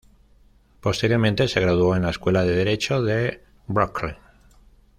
Posteriormente se graduó en la Escuela de Derecho de Brooklyn.